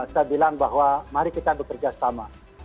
saya bilang bahwa mari kita bekerja sama